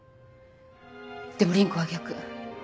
でも凛子は逆。